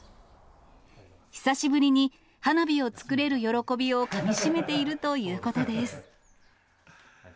久しぶりに花火を作れる喜びをかみしめているということです。